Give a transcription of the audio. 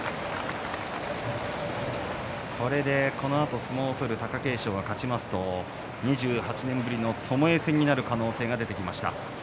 これで、このあと相撲を取る貴景勝が勝ちますと２８年ぶりのともえ戦になる可能性が出てきました。